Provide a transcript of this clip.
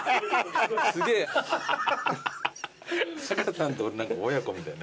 タカさんと俺何か親子みたい。